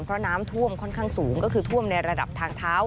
เพราะน้ำท่วมค่อนข้างสูงก็คือท่วมในระดับทางเท้า